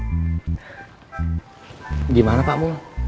saat itulah berangkat